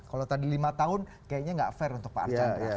kalau tadi lima tahun kayaknya nggak fair untuk pak archandra